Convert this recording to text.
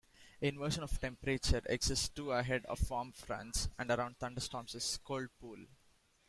Inversion of temperature exists too ahead of warm fronts, and around thunderstorms' cold pool.